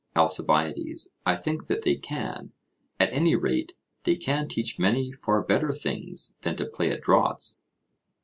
ALCIBIADES: I think that they can; at any rate, they can teach many far better things than to play at draughts.